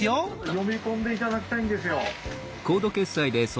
読み込んで頂きたいんですよ。